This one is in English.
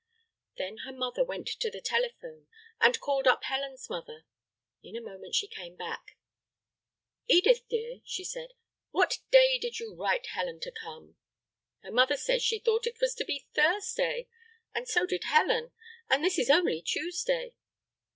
Then her mother went to the telephone and called up Helen's mother. In a moment she came back. "Edith, dear," she said, "what day did you write Helen to come? Her mother says she thought it was to be Thursday, and so did Helen, and this is only Tuesday."